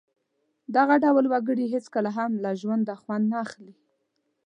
دغه ډول وګړي هېڅکله هم له ژوندانه خوند نه اخلي.